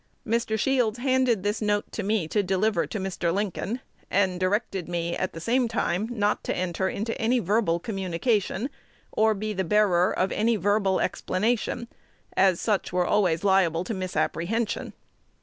Mr. Shields handed this note to me to deliver to Mr. Lincoln, and directed me, at the same time, not to enter into any verbal communication, or be the bearer of any verbal explanation, as such were always liable to misapprehension.